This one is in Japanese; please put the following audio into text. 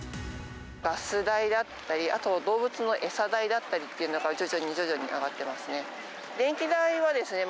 ガス代だったり、あと動物の餌代っていうのが、徐々に徐々に上がってますね。